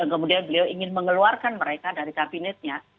kemudian beliau ingin mengeluarkan mereka dari kabinetnya